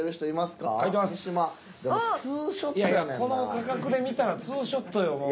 いやいやこの画角で見たらツーショットよ